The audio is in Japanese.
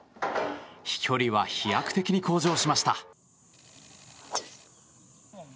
飛距離は飛躍的に向上しました。